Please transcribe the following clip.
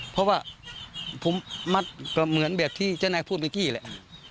เพราะว่าผมมัดก็เหมือนแบบที่เจ้านายพูดเมื่อกี้แหละ